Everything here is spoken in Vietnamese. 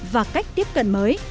và cách tiếp cận mới